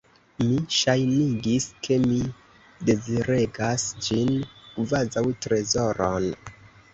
Mi ŝajnigis, ke mi deziregas ĝin, kvazaŭ trezoron.